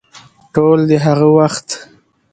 ټول د هغه وخت